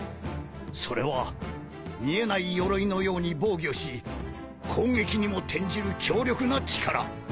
それは見えないよろいのように防御し攻撃にも転じる強力な力